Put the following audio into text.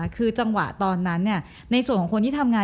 คือจังหวะตอนนั้นในส่วนของคนที่ทำงาน